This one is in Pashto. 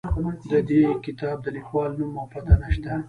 د دې کتاب د لیکوال نوم او پته نه شته.